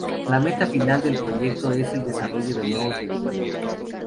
La meta final del proyecto es el desarrollo de nuevos medicamentos.